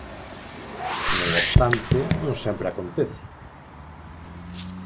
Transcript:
Non obstante, non sempre acontece.